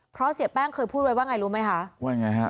เพราะเสียแป้งเคยพูดไว้ว่าไงรู้ไหมคะว่ายังไงฮะ